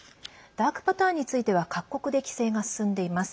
ダークパターンについては各国で規制が進んでいます。